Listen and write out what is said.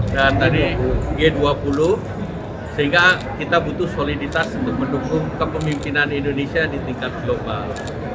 dan tadi g dua puluh sehingga kita butuh soliditas untuk mendukung kepemimpinan indonesia di tingkat global